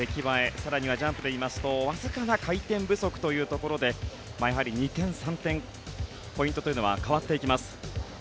更にはジャンプでいいますとわずかな回転不足というところでやはり２点、３点ポイントというのは変わっていきます。